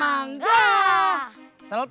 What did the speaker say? engga dong filek